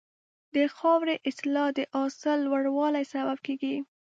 د خاورې اصلاح د حاصل لوړوالي سبب کېږي.